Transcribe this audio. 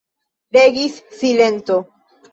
Regis silento.